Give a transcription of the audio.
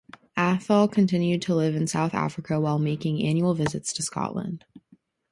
Atholl continued to live in South Africa, while making annual visits to Scotland.